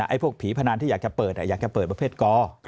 ไอ้พวกผีพนันที่อยากจะเปิดอยากจะเปิดประเภทก